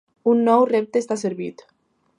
Un nou repte està servit.